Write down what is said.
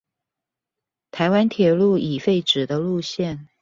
臺灣鐵路已廢止的路線